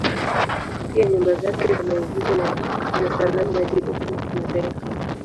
Pia nyumba zake za maigizo na taasisi za sanaa zinajulikana kimataifa.